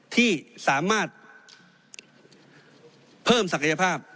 ที่สามารถเพิ่มศักยภาพ